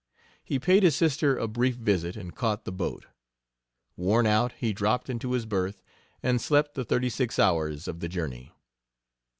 He paid his sister a brief visit, and caught the boat. Worn out, he dropped into his berth and slept the thirty six hours of the journey.